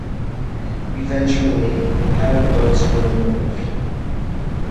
Eventually, the paddle boats were removed.